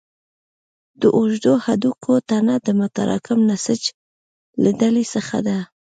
د اوږدو هډوکو تنه د متراکم نسج له ډلې څخه ده.